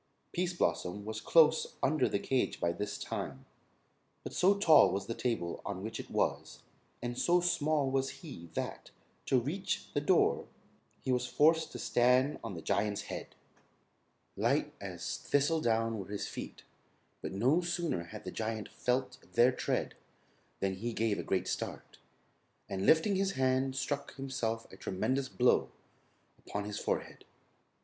Pease Blossom was close under the cage by this time, but so tall was the table on which it was, and so small was he that, to reach the door, he was forced to stand on the Giant's head. Light as thistle down were his feet, but no sooner had the Giant felt their tread than he gave a great start, and lifting his hand struck himself a tremendous blow upon his forehead.